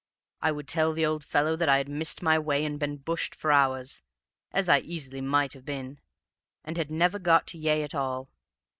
I would tell the old fellow that I had missed my way and been bushed for hours, as I easily might have been, and had never got to Yea at all.